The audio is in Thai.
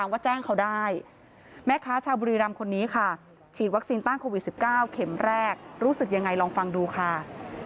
วัคซีนต้านโควิด๑๙เข็มแรกรู้สึกยังไงลองฟังดูค่ะ